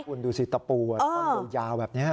คุณดูสิตะปูท่อนยาวแบบนี้